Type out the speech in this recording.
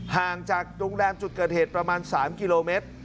ห่างจากโรงแรมจุดเกิดเหตุประมาณ๓กิโลเมตร